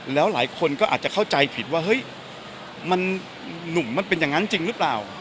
แล้วหลายคนก็อาจจะเข้าใจผิดว่าเฮ้ยมันหนุ่มมันเป็นอย่างนั้นจริงหรือเปล่า